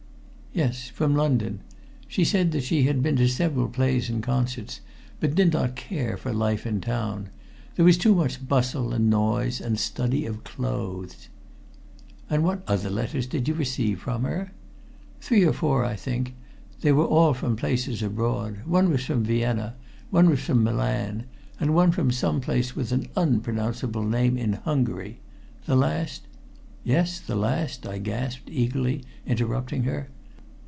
"Yes, from London. She said that she had been to several plays and concerts, but did not care for life in town. There was too much bustle and noise and study of clothes." "And what other letters did you receive from her?" "Three or four, I think. They were all from places abroad. One was from Vienna, one was from Milan, and one from some place with an unpronounceable name in Hungary. The last " "Yes, the last?" I gasped eagerly, interrupting her.